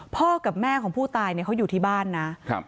พ่อกับแม่ผู้ตายอยู่ที่บ้านครับ